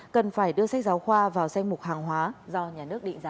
cần phải đưa sách giáo khoa vào danh mục hàng hóa do nhà nước định giả